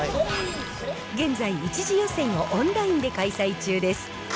現在、１次予選をオンラインで開催中です。